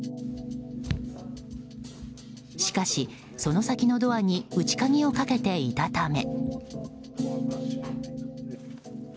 しかし、その先のドアに内鍵をかけていたため。